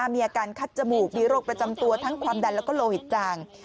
มีอาการคัดจมูกมีโรคประจำตัวทั้งความดันแล้วก็โลหิตจาง